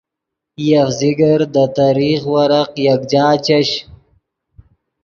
یف ذکر دے تریخ ورق یکجا چش